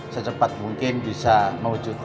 secepat mungkin untuk memenuhi harapan kita